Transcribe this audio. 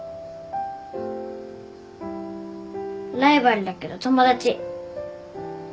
ライバルだけど友達。